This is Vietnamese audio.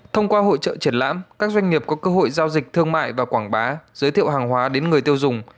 thông qua hội trợ triển lãm các doanh nghiệp có cơ hội giao dịch thương mại và quảng bá giới thiệu hàng hóa đến người tiêu dùng